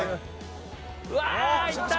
うわー、いった！